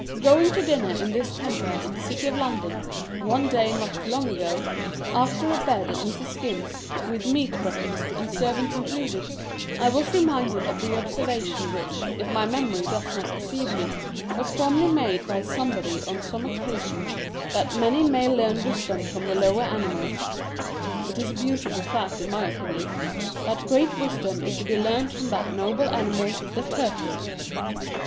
Going to dinner in this temper in the City of London, one day not long ago, after a bed at Mrs. Skim's, with meat breakfast and servants included, I was reminded of the observation which, if my memory does not deceive me, was formerly made by somebody on some occasion, that man may learn wisdom from the lower animals. It is a beautiful fact, in my opinion, that great wisdom is to be learned from that noble animal the Turtle.